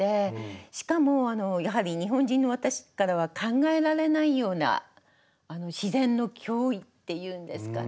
しかもやはり日本人の私からは考えられないような自然の驚異っていうんですかね